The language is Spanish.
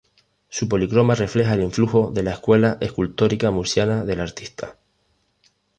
Su policroma refleja el influjo de la escuela escultórica murciana del artista.